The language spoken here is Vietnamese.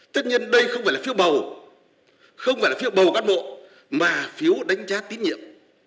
tất nhiên đây không phải là phiếu bầu không phải là phiếu bầu cán bộ mà phiếu đánh giá tín nhiệm